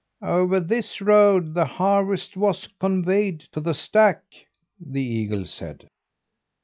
"Over this road the harvest was conveyed to the stack," the eagle said.